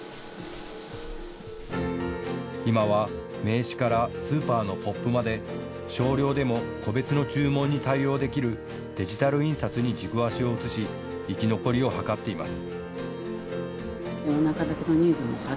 今は名刺からスーパーのポップまで少量でも個別の注文に対応できるデジタル印刷に軸足を移し生き残りを図っています。